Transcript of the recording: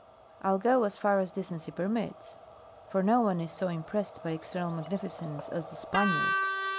"I'll go as far as decency permits, for no one is so impressed by external magnificence as the Spaniard.